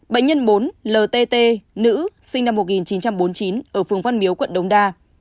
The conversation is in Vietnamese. bệnh nhân bốn l t t nữ sinh năm một nghìn chín trăm bốn mươi chín ở phường văn miếu quận đông đa